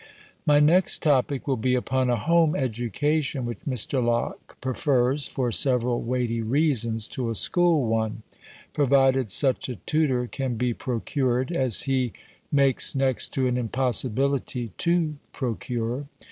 My next topic will be upon a home education, which Mr. Locke prefers, for several weighty reasons, to a school one, provided such a tutor can be procured, as he makes next to an impossibility to procure.